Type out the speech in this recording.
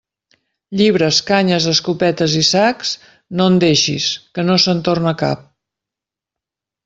Llibres, canyes, escopetes i sacs, no en deixis, que no se'n torna cap.